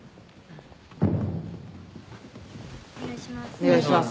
お願いします。